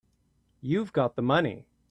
You've got the money.